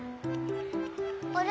あれ？